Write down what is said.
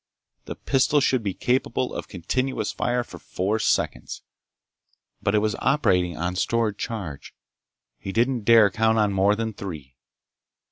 The pistol should be capable of continuous fire for four seconds. But it was operating on stored charge. He didn't dare count on more than three.